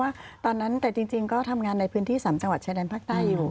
แต่ตอนนั้นจริงก็ทำงานในพื้นที่๓จังหวัดเฉดแดนภักดาห์อยู่